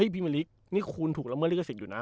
พี่มีลิกนี่คูณถูกแล้วเมื่อเรียกสิทธิ์อยู่นะ